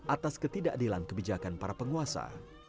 atas ketidakadilan kebijakan para penguasa